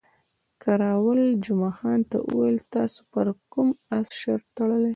کراول جمعه خان ته وویل، تاسې پر کوم اس شرط تړلی؟